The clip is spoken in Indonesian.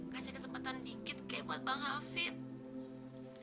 kasih kesempatan dikit kayak buat bang hafid